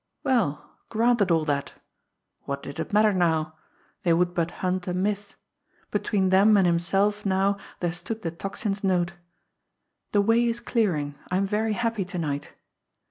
Well, granted all that! What did it matter now? They would but hunt a myth! Between them and himself now there stood the Tocsin's note. "The way is clearing.... I am very happy to night."